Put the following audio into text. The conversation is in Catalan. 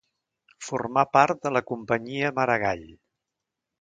Formà part de la Companyia Maragall.